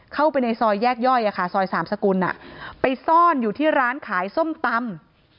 เข้าไปในซอยแยกย่อยซอยสามสกุลไปซ่อนอยู่ที่ร้านขายส้มตำ